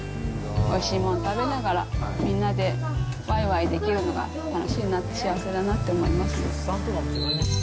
おいしいもん食べながら、みんなでわいわいできるのが楽しいな、幸せだなって思います。